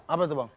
apa tuh bang